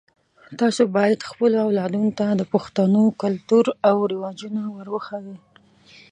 تاسو باید خپلو اولادونو ته د پښتنو کلتور او رواجونه ور وښایئ